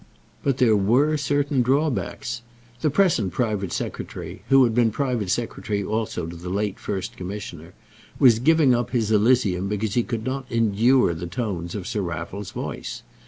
But there were certain drawbacks. The present private secretary, who had been private secretary also to the late First Commissioner, was giving up his Elysium because he could not endure the tones of Sir Raffle's voice.